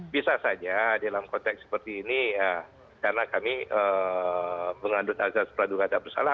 bisa saja dalam konteks seperti ini karena kami mengandung azad pradugra tidak bersalah